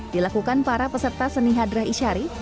dilakukan para peserta seni hadrah isyari